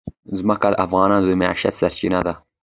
ځمکه د افغانانو د معیشت سرچینه ده.